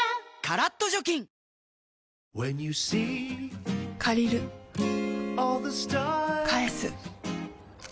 カラッと除菌借りる返す